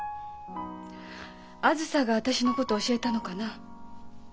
あづさが私のこと教えたのかな？